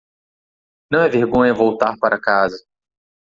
Não é vergonha voltar para casa.